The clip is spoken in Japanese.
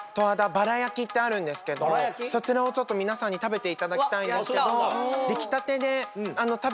ってあるんですけどそちらをちょっと皆さんに食べていただきたいんですけど。